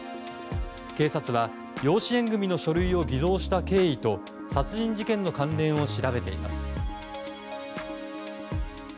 警察は養子縁組の書類を偽造した経緯と殺人事件の関連を調べています。